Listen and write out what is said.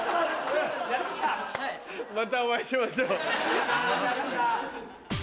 またお会いしましょう。